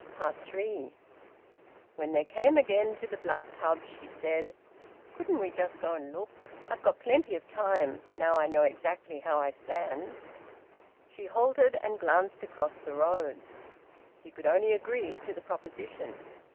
THREE. When they came again to the Blood Tub, she said "Couldn't we just go and look in? I've got plenty of time, now I know exactly how I stand." She halted, and glanced across the road. He could only agree to the proposition.